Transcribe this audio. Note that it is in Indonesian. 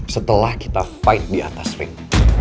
setelah kita fight di atas ring